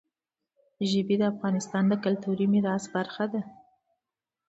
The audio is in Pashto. ژبې د افغانستان د کلتوري میراث برخه ده.